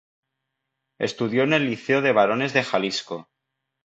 Estudió en el Liceo de Varones de Jalisco.